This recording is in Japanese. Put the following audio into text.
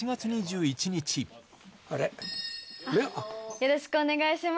よろしくお願いします。